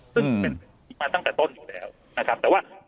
ซึ่งเป็นมาตั้งแต่ต้นอยู่แล้วนะครับแต่ว่า